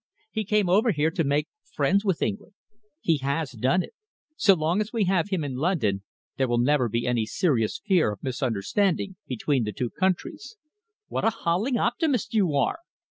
He came over here to make friends with England. He has done it. So long as we have him in London, there will never be any serious fear of misunderstanding between the two countries." "What a howling optimist you are!"